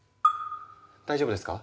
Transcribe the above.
大丈夫ですか？